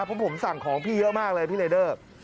เพราะผมสั่งของพี่เยอะมากเลยพี่รายเดอร์